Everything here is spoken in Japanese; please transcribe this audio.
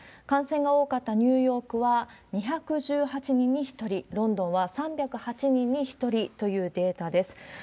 感染が多かったニューヨークは２１８人に１人、ロンドンは３０８人に１人というデータです。